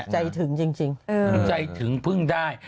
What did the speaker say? ใจถึงจริงใจถึงพึ่งได้